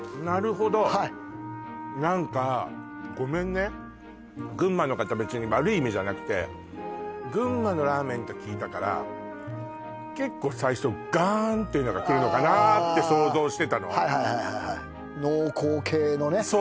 なるほど何かごめんね群馬の方別に悪い意味じゃなくて群馬のラーメンって聞いたから結構最初ガーンっていうのがくるのかなって想像してたの濃厚系のね